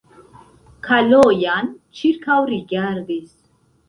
Kalojan ĉirkaŭrigardis.